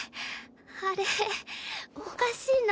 あれおかしいな。